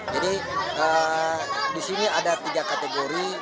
jadi di sini ada tiga kategori